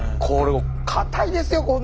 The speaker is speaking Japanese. これもう硬いですよ